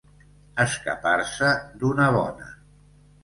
Escapar-se d'una bona.